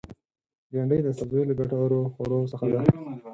بېنډۍ د سبزیو له ګټورو خوړو څخه ده